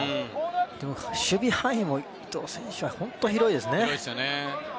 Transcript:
でも守備範囲も伊東選手は本当に広いですね。